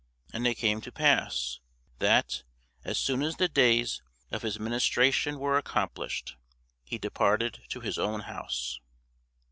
And it came to pass, that, as soon as the days of his ministration were accomplished, he departed to his own house.